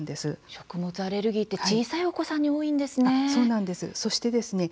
食物アレルギーって小さいお子さんに多いんですね。